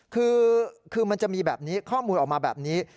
คือมันจะมีแบบนี้ข้อมูลออกมาแบบนี้